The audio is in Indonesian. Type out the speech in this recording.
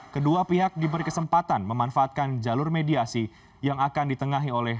kedua pihak diberi kesempatan memanfaatkan jalur mediasi yang akan ditengahi oleh